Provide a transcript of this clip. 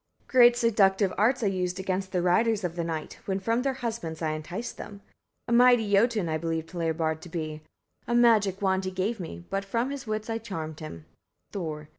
Great seductive arts I used against the riders of the night, when from their husbands I enticed them. A mighty Jotun I believed Hlebard to be: a magic wand he gave me, but from his wits I charmed him. Thor.